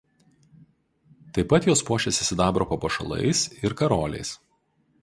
Taip pat jos puošiasi sidabro papuošalais ir karoliais.